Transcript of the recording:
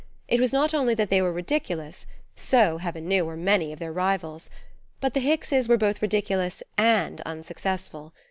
It was not only that they were ridiculous; so, heaven knew, were many of their rivals. But the Hickses were both ridiculous and unsuccessful.